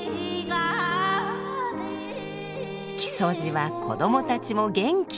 木曽路は子どもたちも元気。